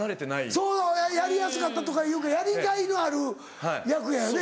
そうそうやりやすかったというかやりがいのある役やよね。